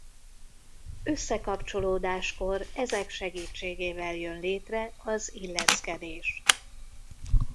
Összekapcsolódáskor ezek segítségével jön létre az illeszkedés.